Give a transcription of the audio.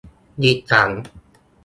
ดิฉัน